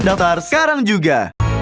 datar sekarang juga